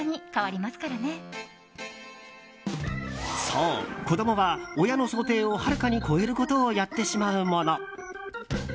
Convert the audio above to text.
そう、子供は親の想定をはるかに超えることをやってしまうもの。